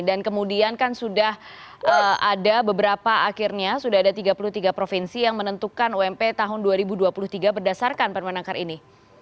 dan kemudian kan sudah ada beberapa akhirnya sudah ada tiga puluh tiga provinsi yang menentukan ump tahun dua ribu dua puluh tiga berdasarkan permenangker ini